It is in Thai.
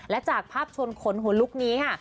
และจากภาพชวนขนหัวลุกนี้ค่ะ